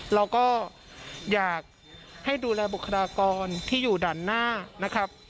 เราก็อยากให้ดูแลบุคลากรที่อยู่ด้านหน้านะครับ